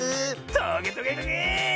トゲトゲトゲ！